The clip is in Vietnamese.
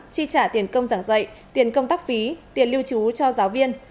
tri trả tiền công giảng dạy tiền công tắc phí tiền lưu trú cho giáo viên